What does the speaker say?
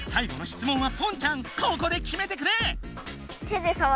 ここできめてくれ！